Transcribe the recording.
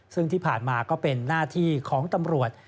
ซึ่งที่ผ่านมาก็เป็นหน้าที่ของตำรวจ